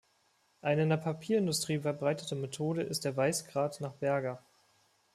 Eine in der Papierindustrie verbreitete Methode ist der Weißgrad nach Berger.